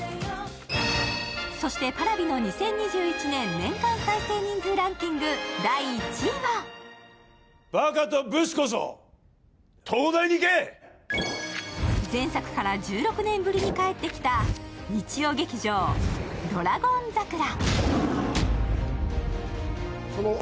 そしてＰａｒａｖｉの２０２１年年間再生人数ラチンキング第１位は前作から１６年ぶりに帰ってきた日曜劇場「ドラゴン桜」。